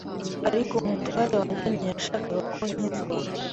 ariko umutware wanjye ntiyashakaga ko nkizwa